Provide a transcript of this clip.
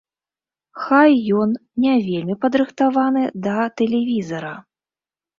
Хай ён не вельмі падрыхтаваны да тэлевізара.